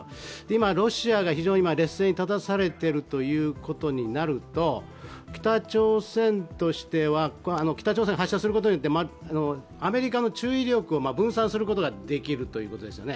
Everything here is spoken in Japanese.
今、ロシアが非常に劣勢に立たされているということになると北朝鮮から発射することによってアメリカの注意力を分散することができるということです。